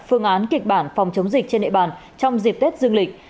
phương án kịch bản phòng chống dịch trên địa bàn trong dịp tết dương lịch